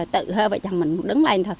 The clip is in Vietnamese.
tự hơ vợ chồng mình đứng lên